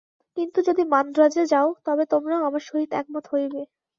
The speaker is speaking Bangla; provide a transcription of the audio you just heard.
কিন্তু যদি মান্দ্রাজে যাও, তবে তোমরাও আমার সহিত একমত হইবে।